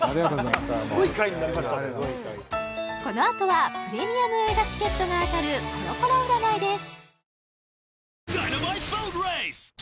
いやいやすごい回にこのあとはプレミアム映画チケットが当たるコロコロ占いです